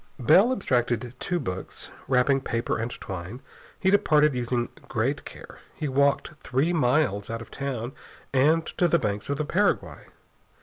Bell abstracted two books, wrapping paper and twine. He departed, using great care. He walked three miles out of town and to the banks of the Paraguay.